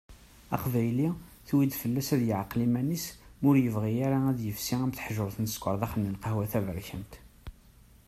Aqbayli, tuwi-d fell-as ad yeɛqel iman-is ma ur yebɣi ara ad yefsi am teḥjurt n ssekker daxel lqahwa taberkant.